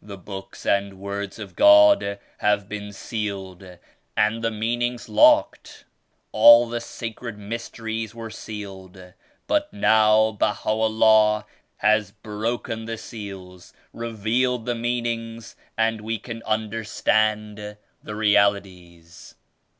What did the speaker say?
The Books and Words of God have been sealed and the meanings locked. All the sacred mys teries were sealed, but now Baha'u'LLAH has broken the seals, revealed the meanings and we can understand the Realities."